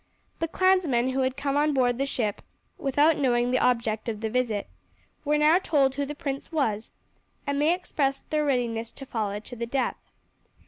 The clansmen who had come on board the ship without knowing the object of the visit were now told who the prince was, and they expressed their readiness to follow to the death.